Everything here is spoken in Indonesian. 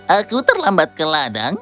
aku terlambat ke ladang